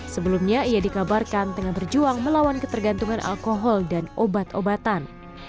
sebelumnya ia dikabarkan tengah berjuang melawan ketergantungan alkohol dan obat obatan